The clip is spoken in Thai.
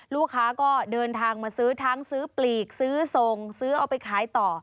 ลูกค้าก็เดินทางมาซื้อทั้งซื้อปลีกซื้อส่งซื้อเอาไปขายต่อ